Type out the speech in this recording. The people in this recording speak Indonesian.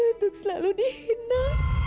untuk selalu dihina